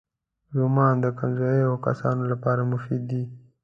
رومیان د کمزوریو کسانو لپاره مفید دي